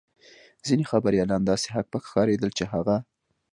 ځینې خبریالان داسې هک پک ښکارېدل چې هغه.